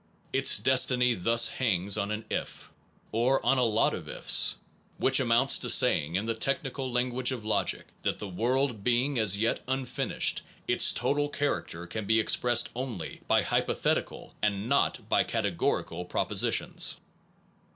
Its destiny thus hangs on an if, or on a lot of ifs which amounts to saying (in the technical language of logic) that, the world being as yet unfinished, its total character can be expressed only by hypotheti cal and not by categorical propositions.